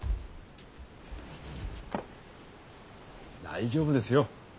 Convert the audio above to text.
大丈夫ですよ